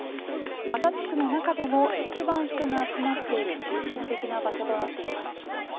ガザ地区の中でも一番人が集まっている中心的な場所となっています。